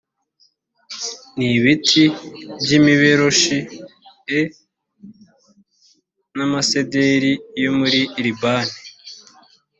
n ibiti by imiberoshi e n amasederi yo muri libani